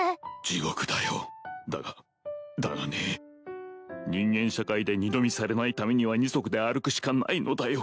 地獄だよだがだがね人間社会で二度見されないためには二足で歩くしかないのだよ